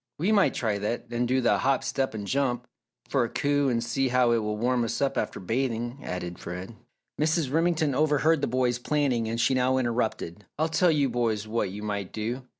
"We might try that and do the 'Hop, step, and jump,' for a coup and see how it will warm us up after bathing," added Fred. Mrs. Remington overheard the boys planning and she now interrupted. "I'll tell you boys what you might do!